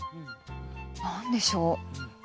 何でしょう？